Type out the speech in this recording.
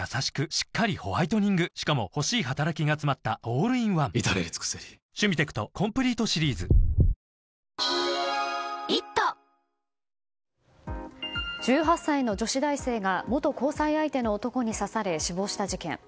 しっかりホワイトニングしかも欲しい働きがつまったオールインワン至れり尽せり１８歳の女子大生が元交際相手の男に刺され死亡した事件。